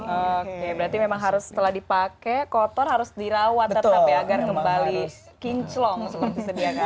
oke berarti memang setelah dipake kotor harus dirawat tetapi agar kembali kinclong seperti sediakala